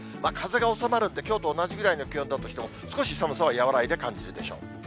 風は収まるんで、きょうと同じぐらいの気温だとしても、少し寒さは和らいで感じるでしょう。